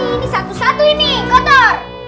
ini satu satu ini kotor